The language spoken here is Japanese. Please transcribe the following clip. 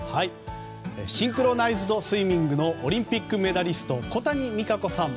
シンクロナイズドスイミングのオリンピックメダリスト小谷実可子さん。